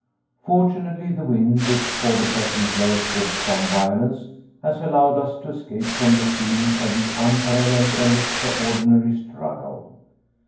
Fortunately the wind, which for the present blows with some violence, has allowed us to escape from the scene of the unparalleled and extraordinary struggle.